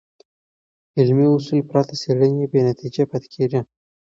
علمي اصول پرته څېړنې بېنتیجه پاتې کېږي.